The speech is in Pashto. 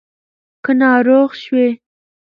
که ناروغ شوې